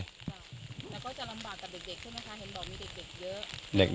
แล้วก็จะลำบากกับเด็กเด็กขึ้นนะคะเห็นบอกมีเด็กเด็กเยอะ